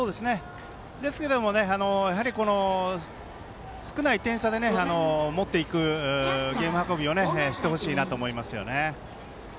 ですけども少ない点差でもっていくゲーム運びをしてほしいなと思いますね。